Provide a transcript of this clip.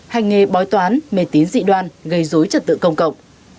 hành nghề bói toán mê tín dị đoan gây dối trật tự công cộng